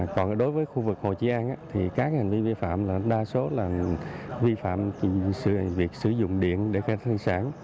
còn đối với khu vực hồ chí an thì các hành vi vi phạm đa số là vi phạm việc sử dụng điện để khai thân sản